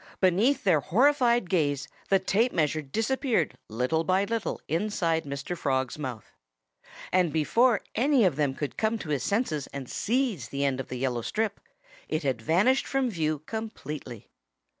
Beneath their horrified gaze the tape measure disappeared little by little inside Mr. Frog's mouth. And before any of them could come to his senses and seize the end of the yellow strip, it had vanished from view completely.